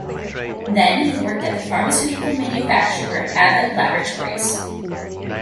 Then he worked at the pharmaceutical manufacturer Abbott Laboratories.